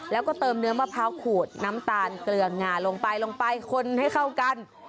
แล้วก็เติมเนื้อมะพร้าวขูดน้ำตาลเกลืองงาลงไปลงไปคนให้เข้ากัน